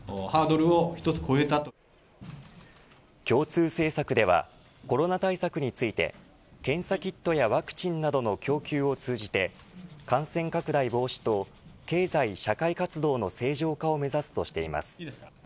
共通政策ではコロナ対策について検査キットやワクチンなどの供給を通じて感染拡大防止と経済社会活動の正常化を目指すとしています。